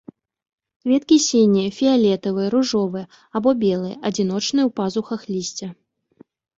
Кветкі сінія, фіялетавыя, ружовыя або белыя, адзіночныя ў пазухах лісця.